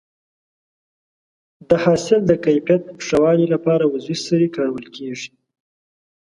د حاصل د کیفیت ښه والي لپاره عضوي سرې کارول کېږي.